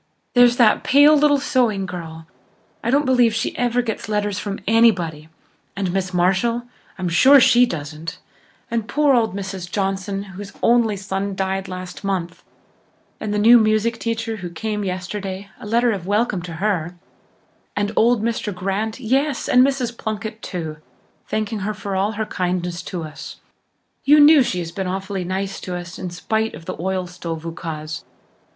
There's that pale little sewing girl, I don't believe she ever gets letters from anybody, and Miss Marshall, I'm sure she doesn't, and poor old Mrs. Johnson, whose only son died last month, and the new music teacher who came yesterday, a letter of welcome to her and old Mr. Grant, yes, and Mrs. Plunkett too, thanking her for all her kindness to us. You knew she has been awfully nice to us in spite of the oil stove ukase.